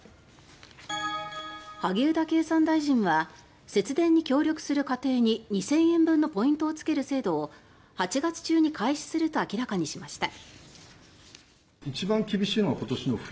萩生田経産大臣は節電に協力する家庭に２０００円分のポイントをつける制度を８月中に開始すると明らかにしました。